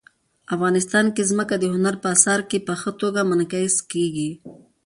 افغانستان کې ځمکه د هنر په اثار کې په ښه توګه منعکس کېږي.